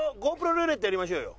ルーレットやりましょうよ。